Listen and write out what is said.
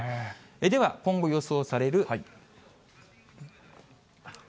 では、今後予想される。